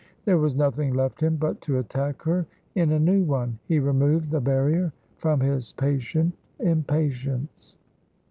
There was nothing left him but to attack her in a new one. He removed the barrier from his patient impatience.